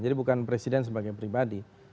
bukan presiden sebagai pribadi